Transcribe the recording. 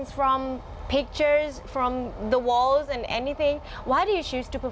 ทำไมพวกเธอต้องถูกไปทำงานคือไทย